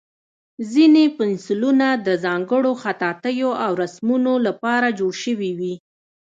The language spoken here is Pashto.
ځینې پنسلونه د ځانګړو خطاطیو او رسمونو لپاره جوړ شوي وي.